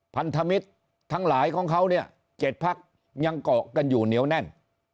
พันธมิตรทั้งหลายของเขาเนี่ย๗พักยังเกาะกันอยู่เหนียวแน่น